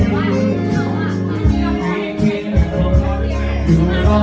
อยู่กับเธอต่อไป